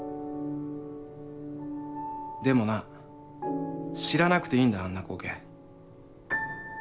でもな知らなくていいんだあんな光景。